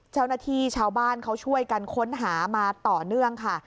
เจ้าหน้าที่ชาวบ้านเขาช่วยกันค้นหามาต่อเนื่องค่ะ